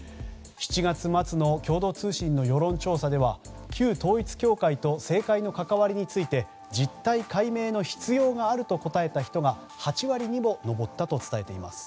７月末の共同通信の世論調査では旧統一教会と政界の関わりについて実態解明の必要があると答えた人が８割にも上ったと伝えています。